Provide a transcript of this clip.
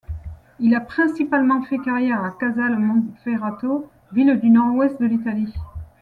Il a principalement fait carrière à Casale Monferrato, ville du nord-ouest de l'Italie.